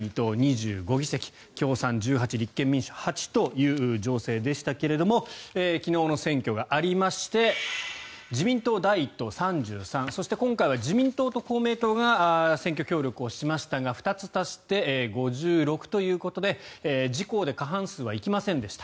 自民党は第２党、２５議席共産１８、立憲民主８という情勢でしたけれども昨日の選挙がありまして自民党が第１党、３３そして今回は自民党と公明党が選挙協力をしましたが２つ足して５６ということで自公で過半数は行きませんでした。